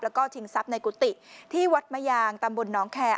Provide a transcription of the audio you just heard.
แล้วก็ชิงทรัพย์ในกุฏิที่วัดมะยางตำบลน้องแคร์